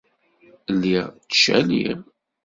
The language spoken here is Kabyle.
Lliɣ ttcaliɣ.